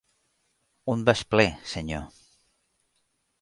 Un vas ple, senyor.